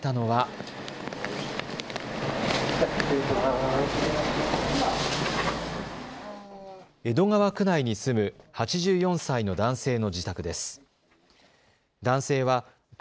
江戸川区内に住む８４歳の男性の自宅です。